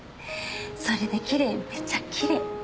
それできれいめちゃきれい。